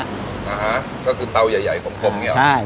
อ่าฮะก็คือเตาใหญ่กลมเงียบ